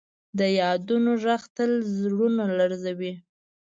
د یادونو ږغ تل زړونه لړزوي.